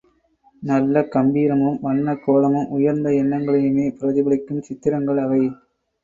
நல்ல கம்பீரமும், வண்ணக் கோலமும், உயர்ந்த எண்ணங்களையுமே பிரதிபலிக்கும் சித்திரங்கள் அவை.